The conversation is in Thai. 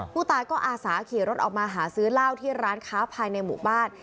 ผู้ตายก็อาสาขี่รถออกมาหาซื้อเหล้าที่ร้านค้าภายในหมู่บ้าน